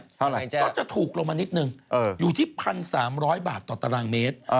ก็จะถูกลงมานิดนึงอยู่ที่๑๓๐๐บาทต่อตารางเมตรก็๑๓๐๐บาทต่อตารางเมตร